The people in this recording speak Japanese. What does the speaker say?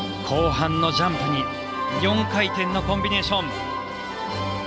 後半のジャンプに４回転のコンビネーション。